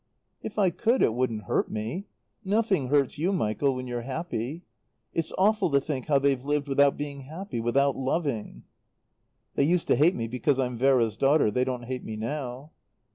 "If I could it wouldn't hurt me. Nothing hurts you, Michael, when you're happy. It's awful to think how they've lived without being happy, without loving. "They used to hate me because I'm Vera's daughter. They don't hate me now."